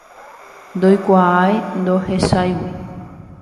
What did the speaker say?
Ndoikuaái ndohecháigui.